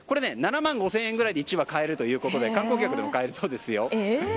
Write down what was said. ７万５０００円ぐらいで１羽買えるので観光客でも買えそうです。